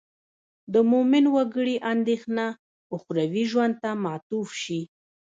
د مومن وګړي اندېښنه اخروي ژوند ته معطوف شي.